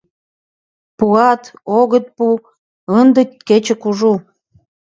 Пуат, огыт пу, ынде кече кужу.